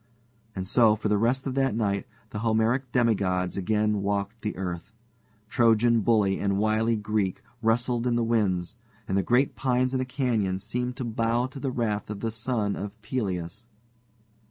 And so for the rest of that night the Homeric demigods again walked the earth. Trojan bully and wily Greek wrestled in the winds, and the great pines in the canyon seemed to bow to the wrath of the son of Peleus.